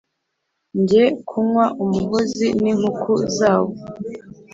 njye kunywa umuhozi n’ inkuku zawo !